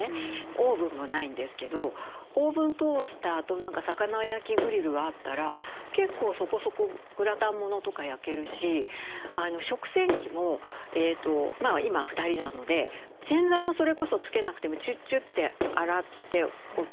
オーブンもないんですけどオーブントースターと魚焼きグリルがあったら結構そこそこグラタンものとか焼けるし食洗器も今は２人なので洗剤もそれこそつけなくてもチュッチュッて洗っておけるんですね。